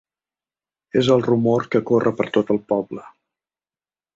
És el rumor que corre per tot el poble.